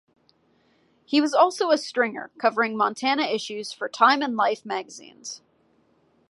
He was also a stringer covering Montana issues for Time and Life magazines.